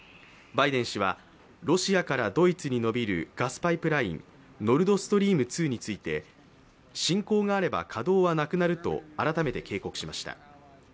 バイデン氏はロシアからドイツに延びるガスパイプライン、ノルドストリーム２について侵攻があれば、稼働はなくなると改めて警告しました。